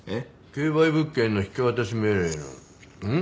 競売物件の引渡命令？ん？